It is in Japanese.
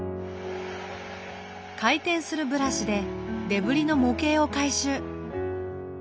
回転するブラシでデブリの模型を回収。